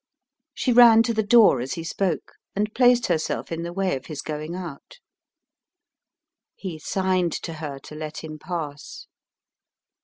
She ran to the door as he spoke, and placed herself in the way of his going out. He signed to her to let him pass.